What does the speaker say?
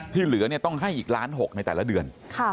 ที่เหลือต้องให้อีกล้าน๖ในแต่ละเดือน